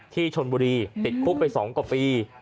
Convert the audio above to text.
ที่ชนบุรีติดคุกไป๒กว่าปี